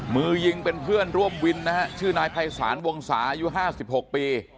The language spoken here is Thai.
มือยิงเป็นเพื่อนร่วมวินนะฮะชื่อนายภัยศาลวงศาอายุ๕๖ปี